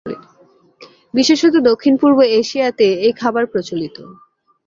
বিশেষত দক্ষিণ-পূর্ব এশিয়াতে এই খাবার প্রচলিত।